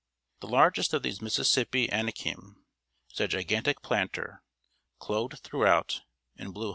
The largest of these Mississippi Anakim is a gigantic planter, clothed throughout in blue homespun.